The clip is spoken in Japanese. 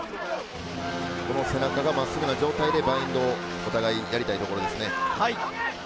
この背中が真っすぐな状態でバインドをお互いやりたいと思いますね。